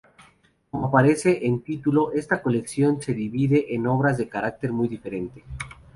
Como aparece en título, esta colección se divide en obras de carácter muy diferente.